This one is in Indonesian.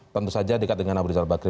tentu saja dekat dengan abu rizal bakri